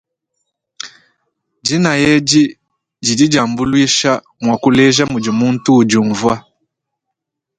Dinaya edi didi diambuluisha muakuleja mudi muntu udiumva.